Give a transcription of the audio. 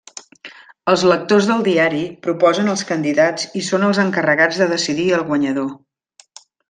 Els lectors del diari proposen els candidats i són els encarregats de decidir el guanyador.